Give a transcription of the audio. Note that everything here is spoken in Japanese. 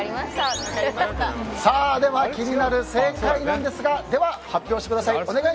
では気になる正解ですが発表してください。